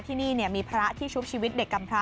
ที่นี่มีพระที่ชุบชีวิตเด็กกำพระ